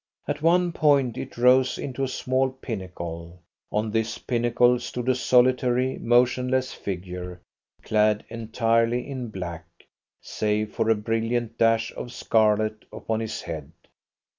At one point it rose into a small pinnacle. On this pinnacle stood a solitary, motionless figure, clad entirely in black, save for a brilliant dash of scarlet upon his head.